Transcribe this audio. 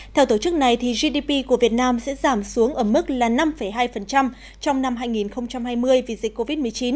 theo tổ chức này gdp của việt nam sẽ giảm xuống ở mức là năm hai trong năm hai nghìn hai mươi vì dịch covid một mươi chín